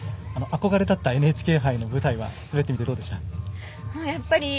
憧れだったＮＨＫ杯の舞台は滑ってみてどうでした？